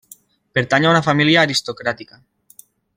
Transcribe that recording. Pertany a una família aristocràtica.